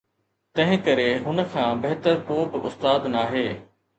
تنهن ڪري هن کان بهتر ڪو به استاد ناهي.